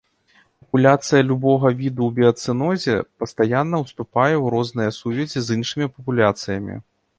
Папуляцыя любога віду ў біяцэнозе пастаянна ўступае ў розныя сувязі з іншымі папуляцыямі.